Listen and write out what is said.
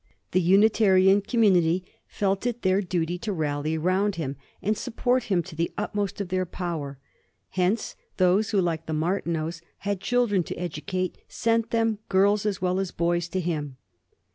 The Unitarian community felt it their duty to rally round him, and support him to the utmost of their power. Hence those who, like the Martineaus, had children to educate sent them, girls as well as boys, to him.